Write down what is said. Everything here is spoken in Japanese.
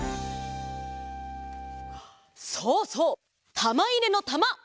そうそう！たまいれのたま！